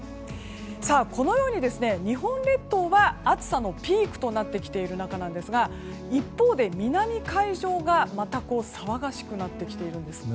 このように日本列島は暑さのピークとなってきている中なんですが一方で、南海上がまた騒がしくなってきているんです。